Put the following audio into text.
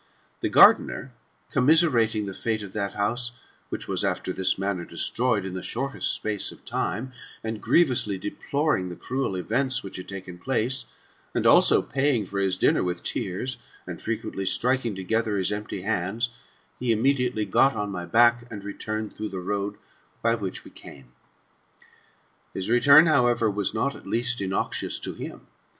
The gardener commiser ating the fate of that house, which was, after this manner, destroyed in the shortest space of time, and grievously deploring the cruel events' which had taken place, and also paying for his dinner with tears, and frequently striking together his empty hands, he immediately got on my back, and returned through the road by which we came. His return, however, was not, at least, innoxious to him.